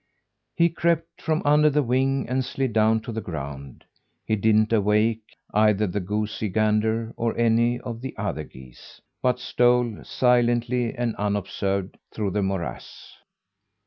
He crept from under the wing and slid down to the ground. He didn't awaken either the goosey gander or any of the other geese, but stole, silently and unobserved, through the morass.